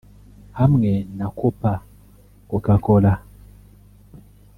Hamwe na Copa Coca-Cola